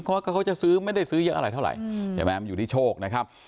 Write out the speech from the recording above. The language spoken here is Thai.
เพราะเขาจะซื้อไม่ได้ซื้อเยอะอะไรเท่าไหร่ใช่ไหมมันอยู่ที่โชคนะครับ